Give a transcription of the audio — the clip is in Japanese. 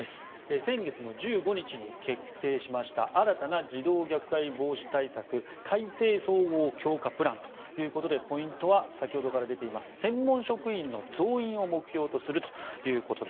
先月の１５日に決定した新たな児童虐待防止対策体制総合強化プランということでポイントは先ほどから出ている専門職員の増員を目標とすると。